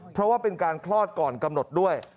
เพราะว่าเป็นการคลอดก่อนกำหนดด้วย